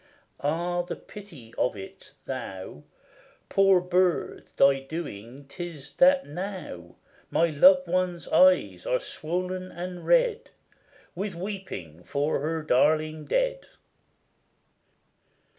Ah, the pity of it! Thou Poor bird, thy doing 't is, that now My loved one's eyes are swollen and red, With weeping for her darling dead.